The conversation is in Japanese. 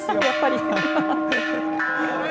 やっぱり。